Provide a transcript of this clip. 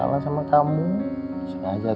aku nangernya tapi aku tak adapting melalui karti